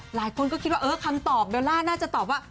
หลายคนก็คิดว่าเออคำตอบเบลล่าน่าจะตอบว่า